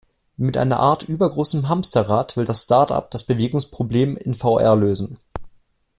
Mit einer Art übergroßem Hamsterrad, will das Startup das Bewegungsproblem in VR lösen.